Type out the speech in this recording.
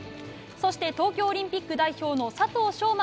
そして、東京オリンピック代表の佐藤翔